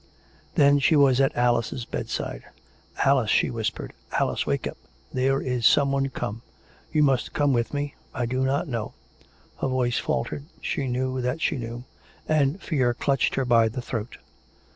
Then she was at Alice's bedside. "Alice," she whispered. " Alice ! Wake up. ... There is someone come. You must come with me. I do not know " Her voice faltered: she knew that she knew, and fear clutched her by the throat.